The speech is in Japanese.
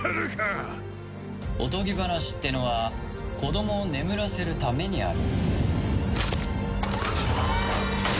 おとぎ話ってのは子供を眠らせるためにある。